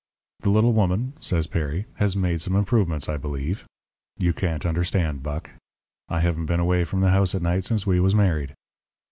"'The little woman,' says Perry, 'has made some improvements, I believe. You can't understand, Buck. I haven't been away from the house at night since we was married.'